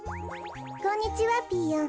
こんにちはピーヨン。